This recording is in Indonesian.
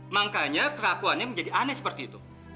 makanya kerakuannya menjadi aneh seperti itu